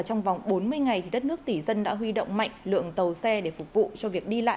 trong vòng bốn mươi ngày đất nước tỷ dân đã huy động mạnh lượng tàu xe để phục vụ cho việc đi lại